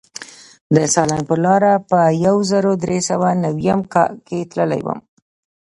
د سالنګ پر لاره په یو زر در سوه نویم کې تللی وم.